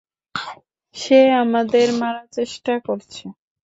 সে আমাকে মারার চেষ্টা করছে।